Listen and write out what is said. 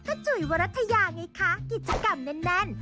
จุ๋ยวรัฐยาไงคะกิจกรรมแน่น